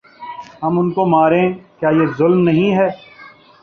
ہم ان کو ماریں کیا یہ ظلم نہیں ہے ۔